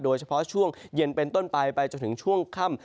โดยเฉพาะช่วงเย็นเป็นต้นไปไปจนถึงช่วงค่ำ